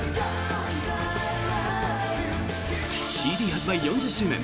ＣＤ発売４０周年。